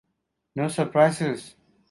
No surprises.